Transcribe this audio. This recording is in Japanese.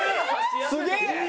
すげえ！